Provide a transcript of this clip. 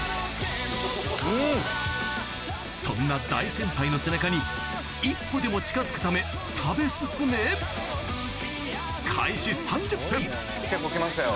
そんな大先輩の背中に一歩でも近づくため食べ進め結構来ましたよ。